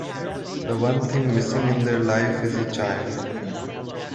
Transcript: The one thing missing in their life is a child.